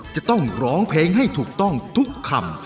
จะต้องร้องเพลงให้ถูกต้องทุกคำ